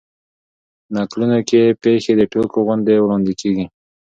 په نکلونو کښي پېښي د ټوګو غوندي وړاندي کېږي.